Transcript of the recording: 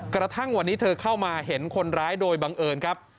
กระทั่งวันนี้เธอเข้ามาเห็นคนร้ายโดยบังเอิญครับ